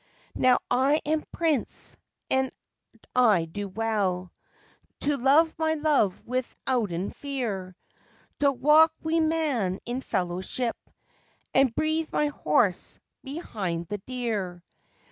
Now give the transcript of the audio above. "Now I am prince, and I do well To love my love withouten fear; To walk wi' man in fellowship, And breathe my horse behind the deer.